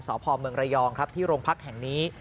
สพเมืองระยองครับที่โรงพักแห่งนี้